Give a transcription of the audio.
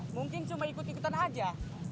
mungkin cuma ikut ikutan aja